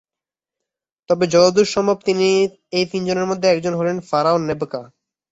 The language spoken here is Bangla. তবে যতদূর সম্ভব এই তিনজনের মধ্যে একজন হলেন ফারাও নেবকা।